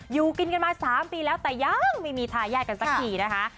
อยู่กินกันมา๓ปีแล้วแต่ยังไม่มีทายาทกันสักทีนะคะ